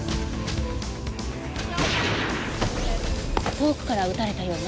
遠くから撃たれたようね。